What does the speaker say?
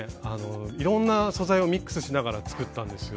いろんな素材をミックスしながら作ったんですよ。